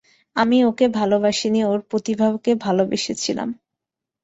আমি ওকে ভালোবাসিনি, ওর প্রতিভাকে ভালোবেসেছিলাম।